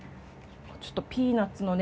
ちょっとピーナッツのね